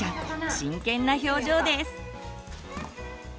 真剣な表情です。